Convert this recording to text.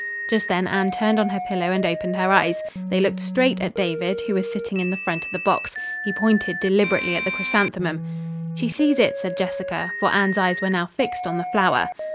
Just then Anne turned on her pillow and opened her eyes. They looked straight at David, who was sitting in the front of the box. He pointed deliberately at the chrysanthemum. "She sees it," said Jessica, for Anne's eyes were now fixed on the flower.